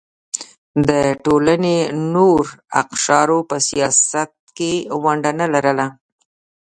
د ټولنې نورو اقشارو په سیاست کې ونډه نه لرله.